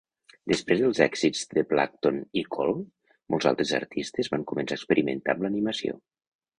Després dels èxits de Blackton i Cohl, molts altres artistes van començar a experimentar amb l'animació.